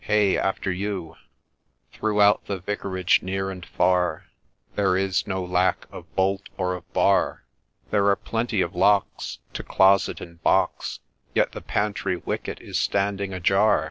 — Hey after you I ' Throughout the Vicarage, near and far, There is no lack of bolt or of bar ; There are plenty of locks To closet and box, Y«t the pantry wicket is standing ajar